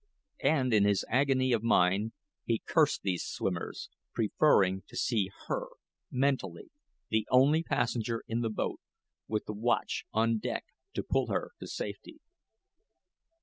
And, in his agony of mind, he cursed these swimmers, preferring to see her, mentally, the only passenger in the boat, with the watch on deck to pull her to safety.